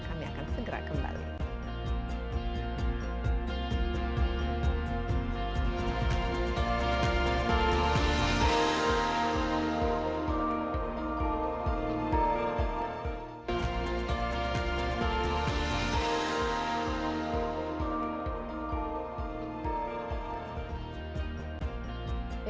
kami akan segera kembali